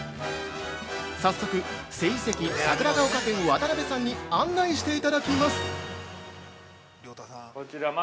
早速、聖蹟桜ヶ丘店渡邉さんに案内していただきます。